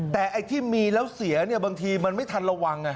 แต่ไอ้ที่มีแล้วเสียบางทีมันไม่ทันระวัง